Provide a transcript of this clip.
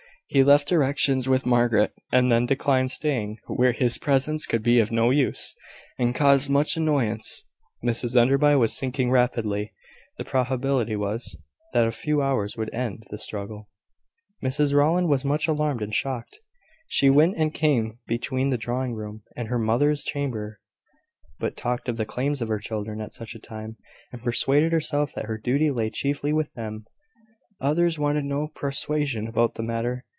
He left directions with Margaret, and then declined staying where his presence could be of no use, and caused much annoyance. Mrs Enderby was sinking rapidly. The probability was, that a few hours would end the struggle. Mrs Rowland was much alarmed and shocked. She went and came between the drawing room and her mother's chamber, but talked of the claims of her children at such a time, and persuaded herself that her duty lay chiefly with them. Others wanted no persuasion about the matter.